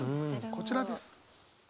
こちらです。